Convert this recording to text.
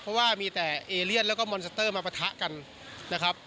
เพราะว่ามีแต่เอเลียนแล้วก็มอนสเตอร์มาปะทะกันนะครับ